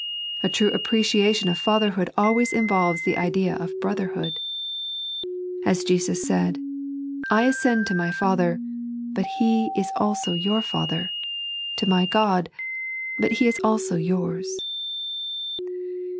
A true appreciation of Fatherhood always involves the idea of Brotherhood. As Jesus said : I ascend to My Bither, but He is also your Father ; to My God, but He is also youra.